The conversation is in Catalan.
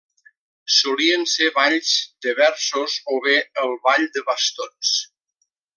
Solien ser balls de versos o bé el ball de bastons.